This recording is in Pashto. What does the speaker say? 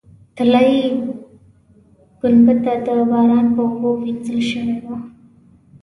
طلایي ګنبده د باران په اوبو وینځل شوې وه.